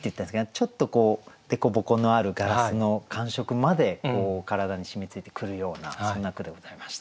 ちょっとこう凸凹のあるガラスの感触まで体に染みついてくるようなそんな句でございました。